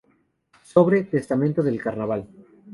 Sobre "Testamento del Carnaval".